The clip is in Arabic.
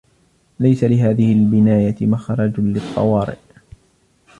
ليس لهذه البناية مخرج للطوارئ.